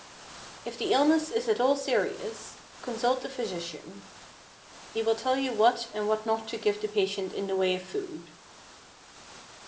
= If the illness is at all serious, consult a physician. He will tell you what and what not to give the patient in the way of food.